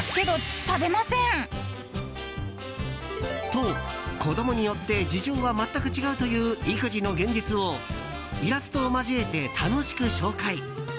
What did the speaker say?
と、子供によって事情は全く違うという育児の現実をイラストを交えて楽しく紹介。